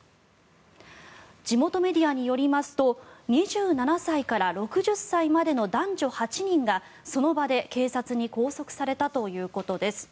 地元メディアによりますと２７歳から６０歳までの男女８人がその場で警察に拘束されたということです。